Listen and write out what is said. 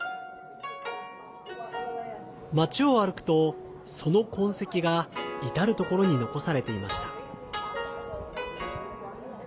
街を歩くと、その痕跡が至る所に残されていました。